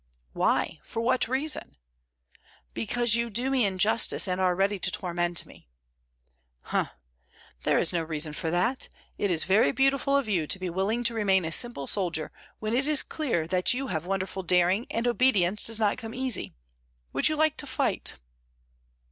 "Why, for what reason?" "Because you do me injustice, and are ready to torment me." "H'm! There is no reason for that. It is very beautiful of you to be willing to remain a simple soldier when it is clear that you have wonderful daring, and obedience does not come easy. Would you like to fight?"